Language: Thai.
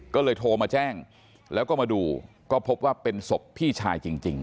ก็เลยโทรมาแจ้งแล้วก็มาดูก็พบว่าเป็นศพพี่ชายจริง